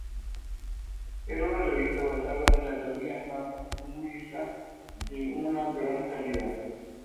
Era una revista basada en teoría anarcocomunista de una gran calidad.